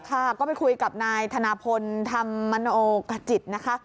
ค่ะก็ไปคุยกับนายธนพลธรรมมโนขจิตนะคะ